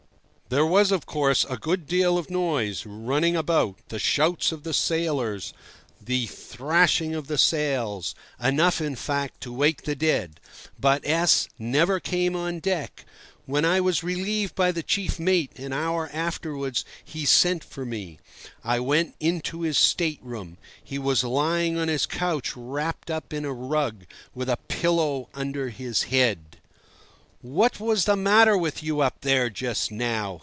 There was, of course, a good deal of noise—running about, the shouts of the sailors, the thrashing of the sails—enough, in fact, to wake the dead. But S— never came on deck. When I was relieved by the chief mate an hour afterwards, he sent for me. I went into his state room; he was lying on his couch wrapped up in a rug, with a pillow under his head. "What was the matter with you up there just now?"